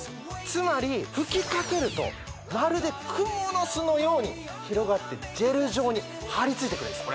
つまり吹きかけるとまるでクモの巣のように広がってジェル状にはりついてくれるんです